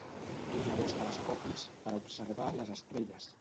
Duia dos telescopis per a observar les estrelles.